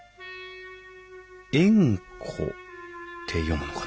「えんこ」って読むのかな？